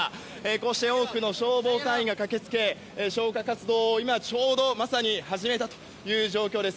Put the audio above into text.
こうして多くの消防隊員が駆け付け消火活動を今、ちょうどまさに始めたという状況です。